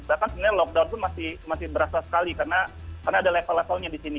bahkan sebenarnya lockdown itu masih berasa sekali karena ada level levelnya disini